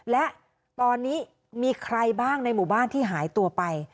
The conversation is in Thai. และตอนนี้มีใครบ้างในหมู่บ้านที่หายตัวไป